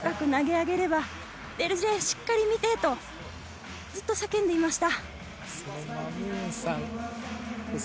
高く投げ上げれば、ＭＧしっかり見てとずっと叫んでいました。